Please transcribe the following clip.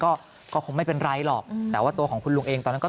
ก็ก็คงไม่เป็นไรหรอกแต่ว่าตัวของคุณลุงเองตอนนั้นก็